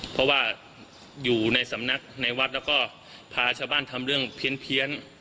เพราะว่าอยู่ในสำนักในวัดแล้วก็พาชาวบ้านทำเรื่องเพี้ยน